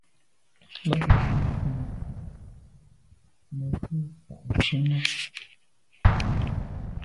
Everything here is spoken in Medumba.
Mə ghʉ̌ nshun ncʉ’ Mə ghʉ̌ tà’ nshunə.